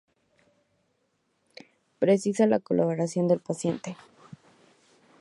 Precisa la colaboración del paciente.